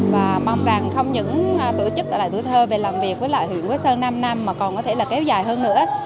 và mong rằng không những tổ chức lại tuổi thơ về làm việc với lại huyện quế sơn năm năm mà còn có thể là kéo dài hơn nữa